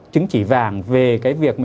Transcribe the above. chứng chỉ vàng về cái việc